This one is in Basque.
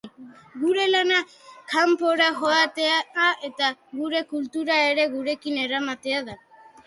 Gure lana hkanpora joatea eta gure kultura ere gurekin eramatea da.